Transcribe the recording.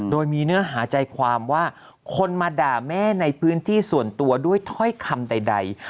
โดยมีเนื้อหาใจความว่าคนมาด่าแม่ในพื้นที่ส่วนตัวด้วยถ้อยคำใด